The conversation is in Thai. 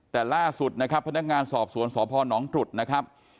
แต่ล่าสุดนะครับพนักงานสอบสวนสพนตรุษนะครับ